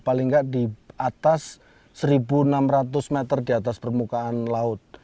paling tidak di atas satu enam ratus meter di atas permukaan laut